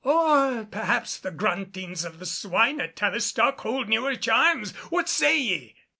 Or perhaps the gruntings of the swine at Tavistock hold newer charms? What say ye?"